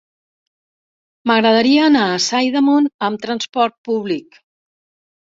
M'agradaria anar a Sidamon amb trasport públic.